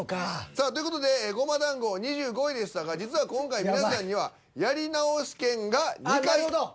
さあという事でごま団子２５位でしたが実は今回皆さんにはあっなるほど。